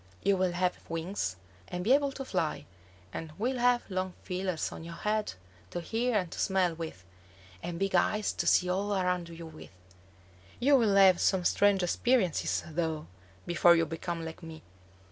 You will have wings, and be able to fly; and will have long feelers on your head to hear and to smell with, and big eyes to see all around you with. You will have some strange experiences, though, before you become like me."